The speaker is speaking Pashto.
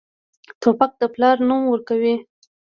توپک د پلار نوم ورکوي.